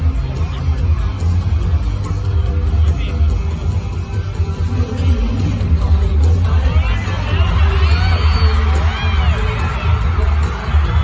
เมื่อมีมีนอยกขวัญตลอดมากทุกคนก็สงสารอยากรีบกับพวกเรา